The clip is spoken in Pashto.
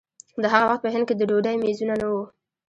د هغه وخت په هند کې د ډوډۍ مېزونه نه وو.